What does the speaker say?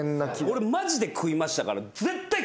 俺マジで食いましたから。